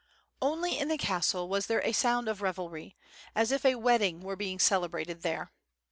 Only in the castle was there a sound of revelry, as if a wedding were being celebrated there.